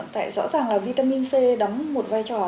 tại rõ ràng là vitamin c đóng một vai trò rất là quan trọng